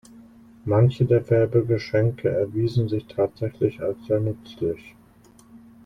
Manche der Werbegeschenke erwiesen sich tatsächlich als sehr nützlich.